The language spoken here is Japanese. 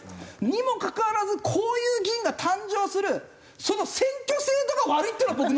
にもかかわらずこういう議員が誕生するその選挙制度が悪いっていうのが僕の持論なんです。